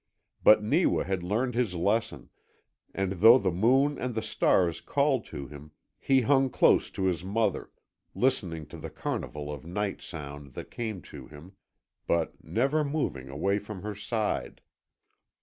But Neewa had learned his lesson, and though the moon and the stars called to him he hung close to his mother, listening to the carnival of night sound that came to him, but never moving away from her side.